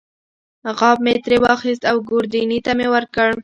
غاب مې ترې واخیست او ګوردیني ته مې ورکړ.